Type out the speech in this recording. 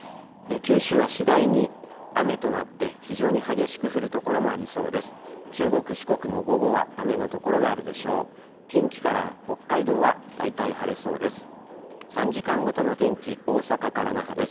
九州は次第に雨となって、非常に激しく降る所もありそうです。